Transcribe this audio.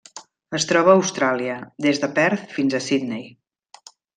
Es troba a Austràlia: des de Perth fins a Sydney.